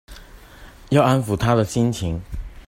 要安撫她的心情